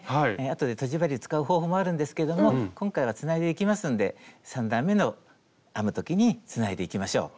あとでとじ針を使う方法もあるんですけれども今回はつないでいきますんで３段めの編む時につないでいきましょう。